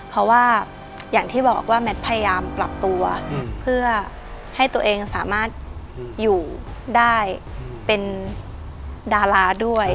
เพราะว่าอย่างที่บอกว่าแมทพยายามปรับตัวเพื่อให้ตัวเองสามารถอยู่ได้เป็นดาราด้วย